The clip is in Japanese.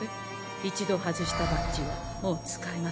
一度外したバッジはもう使えませんが。